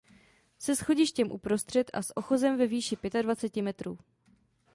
Se schodištěm uprostřed a s ochozem ve výši pětadvaceti metrů.